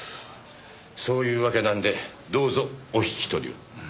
そういうわけなんでどうぞお引き取りを。